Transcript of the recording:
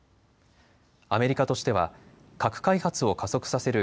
アメリカとしては核開発を加速させる